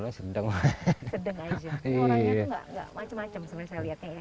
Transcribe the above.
orangnya itu gak macem macem sebenarnya saya lihatnya ya